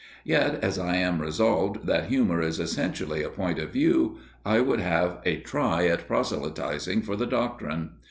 Yet, as I am resolved that humour is essentially a point of view, I would have a try at proselytizing for the doctrine.